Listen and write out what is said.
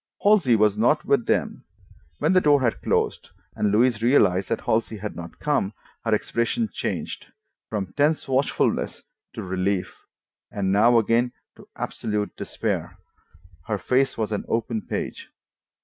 Halsey was not with them. When the door had closed and Louise realized that Halsey had not come, her expression changed. From tense watchfulness to relief, and now again to absolute despair, her face was an open page.